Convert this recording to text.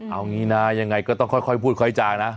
เอางี้นะยังไงก็ต้องค่อยพูดค่อยจางนะ